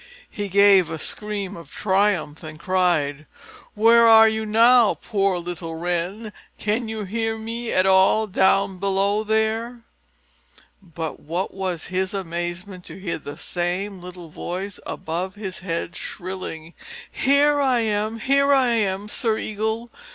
He gave a scream of triumph and cried, "Where are you now, poor little Wren? Can you hear me at all, down below there?" But what was his amazement to hear the same little voice above his head shrilling, "Here I am, here I am, Sir Eagle.